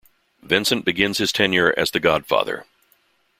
Vincent begins his tenure as The Godfather.